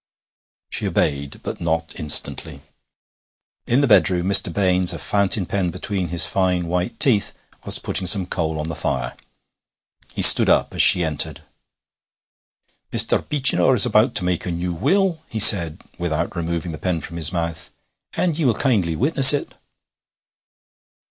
She obeyed, but not instantly. In the bedroom Mr. Baines, a fountain pen between his fine white teeth, was putting some coal on the fire. He stood up as she entered. 'Mr. Beechinor is about to make a new will,' he said, without removing the pen from his mouth, 'and ye will kindly witness it.'